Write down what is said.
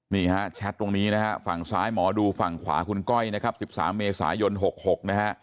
นี่ฮะแชทตรงนี้นะฮะฝั่งซ้ายหมอดูฝั่งขวาคุณก้อยนะครับ๑๓เมษายน๖๖นะฮะ